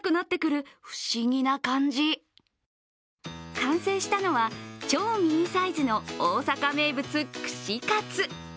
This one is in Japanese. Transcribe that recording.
完成したのは、超ミニサイズの大阪名物・串カツ。